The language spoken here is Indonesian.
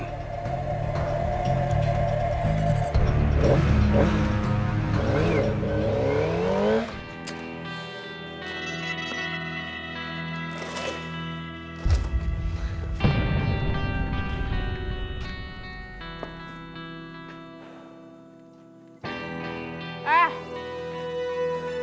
kalau gak ada